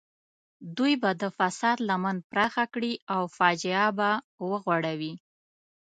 دوی به د فساد لمن پراخه کړي او فاجعه به وغوړوي.